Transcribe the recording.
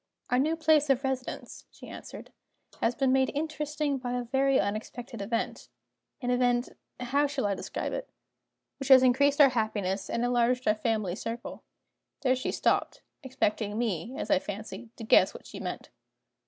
"Our new place of residence," she answered, "has been made interesting by a very unexpected event an event (how shall I describe it?) which has increased our happiness and enlarged our family circle." There she stopped: expecting me, as I fancied, to guess what she meant.